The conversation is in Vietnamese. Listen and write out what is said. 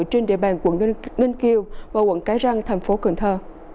trên địa bàn quận ninh kiều và quận cái răng thành phố cần thơ